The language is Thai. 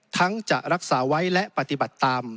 จะรักษาไว้และปฏิบัติตาม